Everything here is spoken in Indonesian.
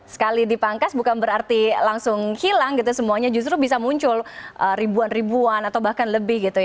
sekali dipangkas bukan berarti langsung hilang gitu semuanya justru bisa muncul ribuan ribuan atau bahkan lebih gitu ya